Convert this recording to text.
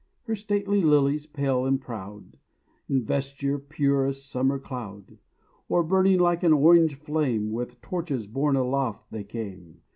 Here stately Lilies pale and proud, In vesture pure as summer cloud; Or, burning like an orange flame, With torches borne aloft they came.